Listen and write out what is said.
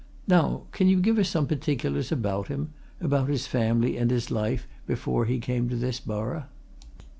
Now, can you give us some particulars about him about his family and his life before he came to this borough?"